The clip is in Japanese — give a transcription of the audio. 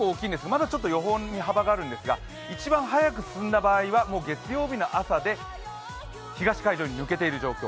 まだ予報に幅があるんですが一番速く進んだ場合は月曜日の朝で東海上に抜けている状況。